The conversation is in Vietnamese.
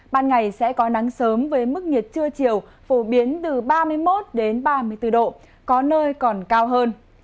ban ngày sẽ có nắng sớm với mức nhiệt trưa chiều phổ biến từ ba mươi một ba mươi bốn độ có nơi còn cao hơn